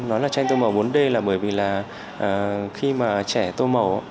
nói là tranh tôi màu bốn d là bởi vì là khi mà trẻ tô màu